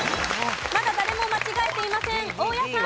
まだ誰も間違えていません。